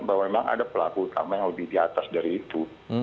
bahwa memang ada pelaku utama yang lebih di atas dari itu